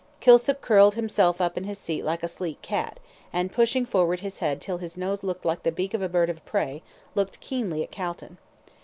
Kilsip curled himself up in his seat like a sleek cat, and pushing forward his head till his nose looked like the beak of a bird of prey, looked keenly at Calton.